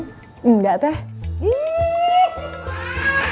gak minta diantar amin